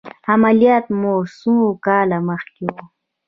عملیات مو څو کاله مخکې و؟